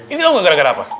ini tau gak gara gara apa